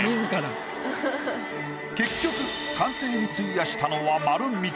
結局完成に費やしたのは丸３日。